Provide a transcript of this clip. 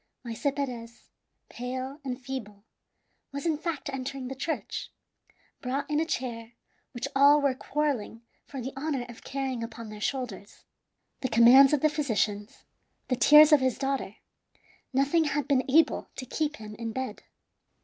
Maese Perez, pale and feeble, was in fact entering the church, brought in a chair which all were quarrelling for the honor of carrying upon their shoulders. The commands of the physicians, the tears of his daughter nothing had been able to keep him in bed.